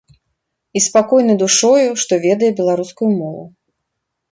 І спакойны душою, што ведае беларускую мову.